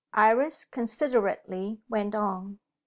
Iris considerately went on.